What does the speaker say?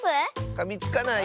かみつかないよ。